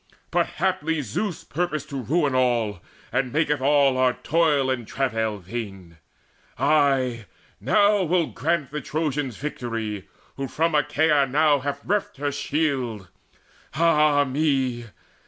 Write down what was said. But haply Zeus purposed to ruin all, And maketh all our toil and travail vain Ay, now will grant the Trojans victory Who from Achaea now hath reft her shield! Ah me!